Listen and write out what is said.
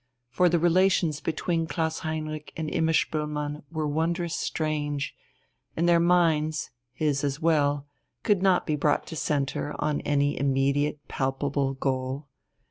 For the relations between Klaus Heinrich and Imma Spoelmann were wondrous strange, and their minds his as well could not be brought to centre on any immediate, palpable goal.